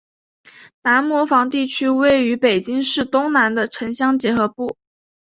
南磨房地区位于北京市东南的城乡结合部。